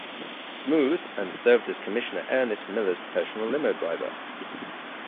Smooth and served as Commissioner Ernest Miller's personal limo driver.